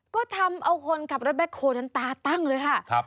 ก็ทำเอาคนขับรถแบ็คโฮลนั้นตาตั้งเลยค่ะ